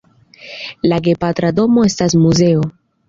La gepatra domo estas muzeo.